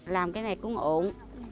làm cái này cũng ổn